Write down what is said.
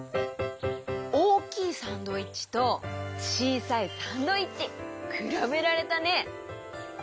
おおきいサンドイッチとちいさいサンドイッチ！くらべられたね！